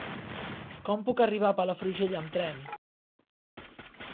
Com puc arribar a Palafrugell amb tren?